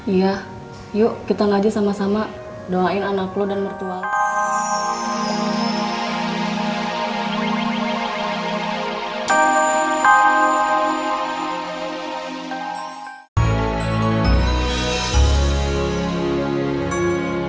iya yuk kita ngaji sama sama doain anak lo dan mertua